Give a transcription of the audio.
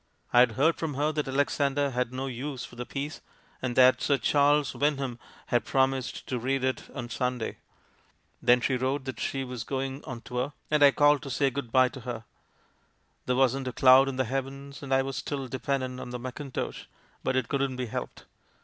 I had heard from her that Alexander had no use for the piece, and that 'Sir Charles Wyndham had promised to read it on Sunday.' Then she wrote that she was 60 THE MAN WHO UNDERSTOOD WOMEN going on tour — and I called to say good bye to her. There wasn't a cloud in the heavens, and I was still dependent on the mackintosh, but it couldn't be helped.